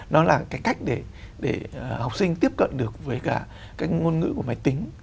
đó là cái cách để học sinh tiếp cận được với cả các ngôn ngữ của máy tính